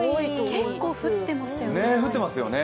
結構降ってますよね。